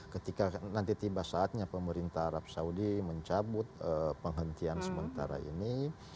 ketika nanti tiba saatnya pemerintah arab saudi mencabut penghentian sementara ini